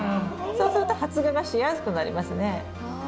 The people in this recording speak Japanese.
そうすると、発芽がしやすくなりますね。